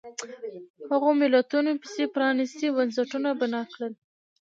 هغو ملتونو چې پرانیستي بنسټونه بنا کړل.